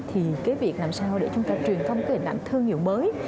thì cái việc làm sao để chúng ta truyền phong cái hình ảnh thương hiệu mới